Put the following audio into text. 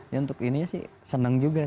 ya untuk ininya sih seneng juga sih